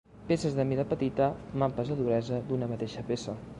Peces de mida petita, mapes de duresa d'una mateixa peça.